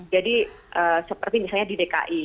jadi seperti misalnya di dki